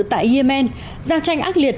tại yemen giao tranh ác liệt